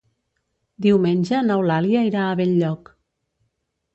Diumenge n'Eulàlia irà a Benlloc.